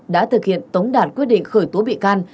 đã thực hiện tống đạt quyết định khởi tố bị can